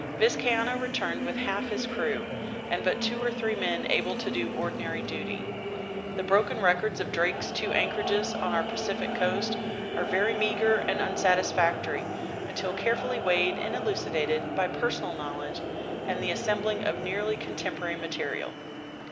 Vizcaino returned with half his crew, and but two or three men able to do ordinary duty. The broken records of Drake's two anchorages on our Pacific coast are very meager and unsatisfactory until carefully weighed and elucidated b}^ personal knowledge and the assembling of nearly contemporary material.